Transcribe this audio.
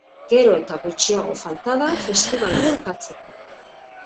Gero eta gutxiago falta da festibala bukatzeko.